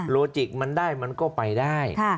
จิกมันได้มันก็ไปได้